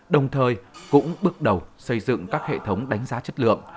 đồng thời cũng bước đầu xây dựng các hệ thống đánh giá chất lượng